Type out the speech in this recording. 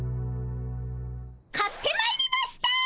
買ってまいりました！